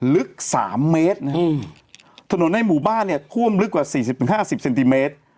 ลึก๓เมตรนะฮะถนนในหมู่บ้านคว่มลึกกว่ะ๔๐หรือ๕๐เซ็นติเมตร